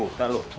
udah gak dibuka lu